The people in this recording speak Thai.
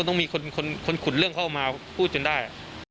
ต้องมีคนขุดเรื่องเข้ามาพูดจนได้